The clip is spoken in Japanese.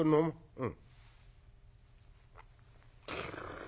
うん」。